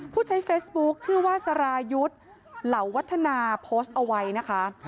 ผู้ใช้เฟซบุ๊คชื่อว่าสรายุทธ์เหล่าวัฒนาโพสต์เอาไว้นะคะ